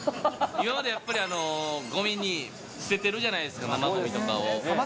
今までやっぱり、ごみに捨ててるじゃないですか、生ごみとかを。